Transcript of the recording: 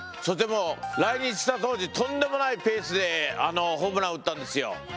そしてもう来日した当時とんでもないペースでホームラン打ったんですよ。